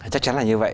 chắc chắn là như vậy